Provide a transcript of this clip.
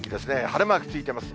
晴れマークついてます。